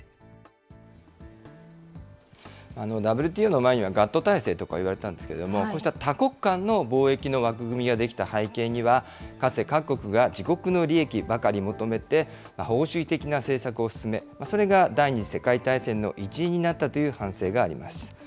ＷＴＯの前にはＧＡＴＴ体制とか言われたんですけれども、こうした多国間の貿易の枠組みが出来た背景には、かつて各国が自国の利益ばかり求めて、保護主義的な政策を進め、それが第２次世界大戦の一因になったという反省があります。